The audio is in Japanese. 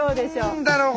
何だろう？